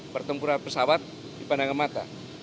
pertempuran pesawat di pandangan mata